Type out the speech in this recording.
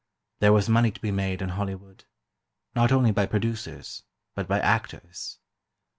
There was money to be made in Hollywood—not only by producers, but by actors.